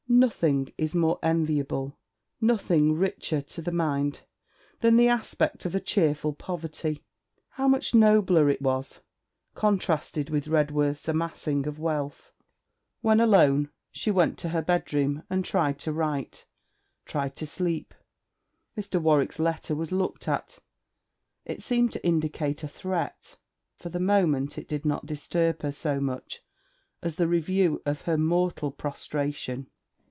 Nothing is more enviable, nothing richer to the mind, than the aspect of a cheerful poverty. How much nobler it was, contrasted with Redworth's amassing of wealth! When alone, she went to her bedroom and tried to write, tried to sleep. Mr. Warwick's letter was looked at. It seemed to indicate a threat; but for the moment it did not disturb her so much as the review of her moral prostration.